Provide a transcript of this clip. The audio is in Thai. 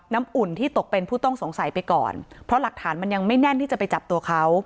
อุ่นที่ตกเป็นผู้ต้องสงสัยไปก่อนเพราะหลักฐานมันยังไม่แน่นที่จะไปจับตัวเขา